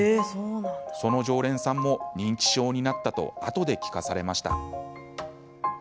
その常連さんも認知症になったとあとで聞かされました。